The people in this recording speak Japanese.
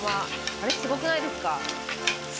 あれスゴくないですか。